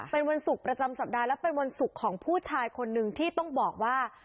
เป็นวันศุกร์ประจำสัปดาห์และเป็นวันศุกร์ของผู้ชายคนนึงที่ต้องบอกว่า